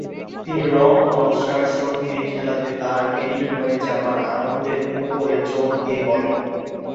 তিনি রঙ ও নকশার শক্তির খেলাতে তাঁর বিলীন হয়ে যাবার আনন্দের উপরে জোর দিয়ে বলেন।